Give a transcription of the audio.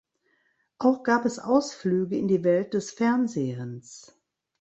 Auch gab es Ausflüge in die Welt des Fernsehens.